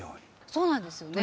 そうなんですよね。